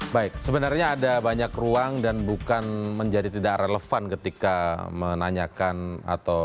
baik sebenarnya ada banyak ruang dan bukan menjadi tidak relevan ketika menanyakan atau